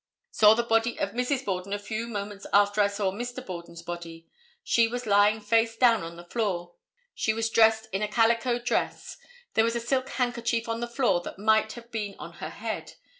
Saw the body of Mrs. Borden a few moments after I saw Mr. Borden's body. She was lying face down on the floor. She was dressed in a calico dress. There was a silk handkerchief on the floor that might have been on her head.